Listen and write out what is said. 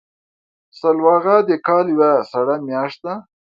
سلواغه د کال یوه سړه میاشت ده.